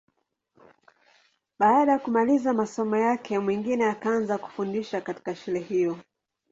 Baada ya kumaliza masomo yake, Mwingine akaanza kufundisha katika shule hiyo.